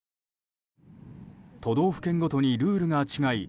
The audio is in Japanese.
都道府県ごとにルールが違い